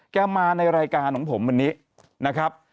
มาในรายการของผมวันนี้นะครับ